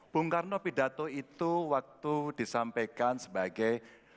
bung karno pidato itu waktu disampaikan sebagai